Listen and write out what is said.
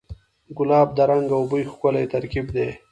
ګلاب د رنګ او بوی ښکلی ترکیب دی.